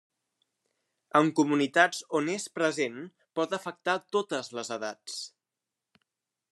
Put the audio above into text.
En comunitats on és present pot afectar totes les edats.